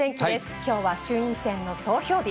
今日は衆院選の投票日。